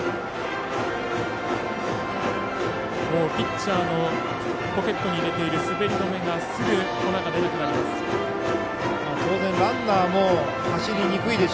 ピッチャーのポケットに入れている滑り止めがすぐ粉が出なくなります。